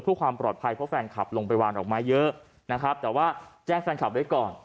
เพื่อความปลอดภัยเพราะแฟนคลับลงไปวางดอกไม้เยอะนะครับแต่ว่าแจ้งแฟนคลับไว้ก่อน